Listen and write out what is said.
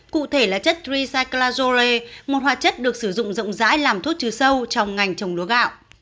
cụ thể là chất recyclazore một hoạt chất được sử dụng rộng rãi làm thuốc trừ sâu trong ngành trồng lúa gạo